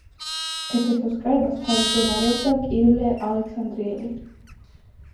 ეფესოს კრებას თავმჯდომარეობდა კირილე ალექსანდრიელი.